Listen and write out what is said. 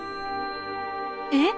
えっ？